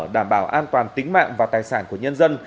đảm bảo an toàn tính mạng và tài sản của nhân dân